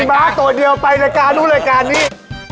ม้าตัวเดียวไปรายการนู้นรายการนี้